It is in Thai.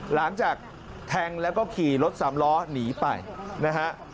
หลังจากแทงแล้วก็ขี่รถสามล้อหนีไปนะฮะ